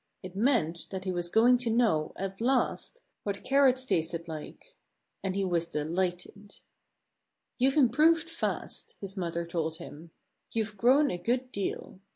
It meant that he was going to know, at last, what carrots tasted like. And he was delighted. "You've improved fast," his mother told him. "You've grown a good deal.